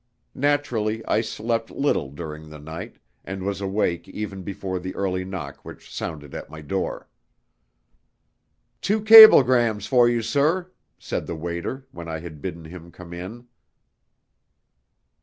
Naturally, I slept little during the night, and was awake even before the early knock which sounded at my door. "Two cablegrams for you, sir," said the waiter, when I had bidden him come in.